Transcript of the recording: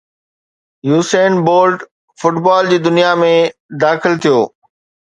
Usain Bolt football جي دنيا ۾ داخل ٿيو